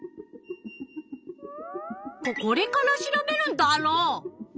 ここれから調べるんダロ！